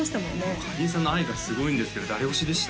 もうかりんさんの愛がすごいんですけど誰推しでした？